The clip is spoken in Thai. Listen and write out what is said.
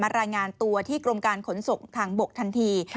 รายงานตัวที่กรมการขนส่งทางบกทันที